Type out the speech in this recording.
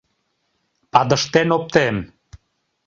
Падыштен оптем!..